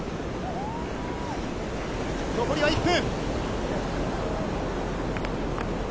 残りは１分。